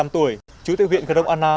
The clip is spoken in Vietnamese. năm mươi năm tuổi chủ tịch huyện cơ đông anna